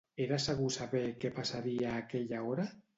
Era segur saber què passaria a aquella hora?